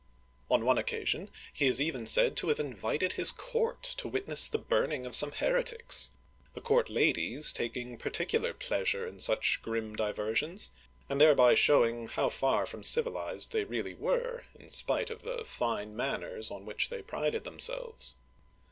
On one occasion he is even said to have invited his court to witness the burning of some heretics, the court ladies taking particular pleas ure in such grim diversions, and thereby showing how far from civilized they really were, in spite of the fine man ners on which they prided themselves.